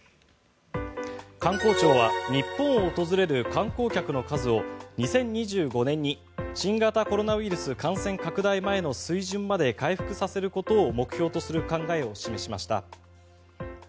観光庁は日本を訪れる観光客の数を２０２５年に新型コロナウイルス感染拡大前の水準まで回復させることを目標とする考えを示しました。